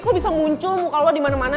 kok bisa muncul muka lo dimana mana